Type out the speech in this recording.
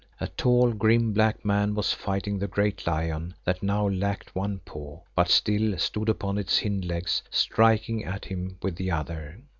A tall, grim, black man was fighting the great lion, that now lacked one paw, but still stood upon its hind legs, striking at him with the other.